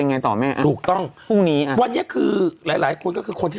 ยังไงตอบแม่ต้องวันนี้คือหลายหลายคนก็คือคนที่